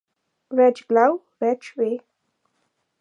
Več glav več ve.